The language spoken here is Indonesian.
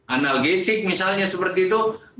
analgesik misalnya seperti itu